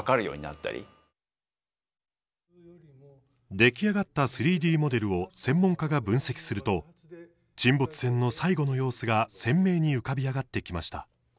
出来上がった３Ｄモデルを専門家が分析すると沈没船の最期の様子が鮮明に浮かび上がってきました。